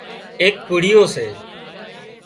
ايڪ ڪُڙيون سي